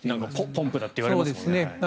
ポンプだって言われますよね。